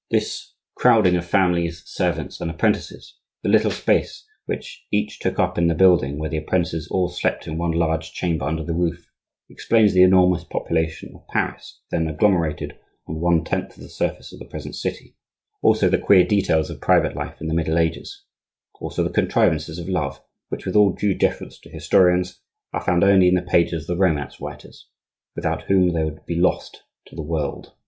This crowding of families, servants, and apprentices, the little space which each took up in the building where the apprentices all slept in one large chamber under the roof, explains the enormous population of Paris then agglomerated on one tenth of the surface of the present city; also the queer details of private life in the middle ages; also, the contrivances of love which, with all due deference to historians, are found only in the pages of the romance writers, without whom they would be lost to the world.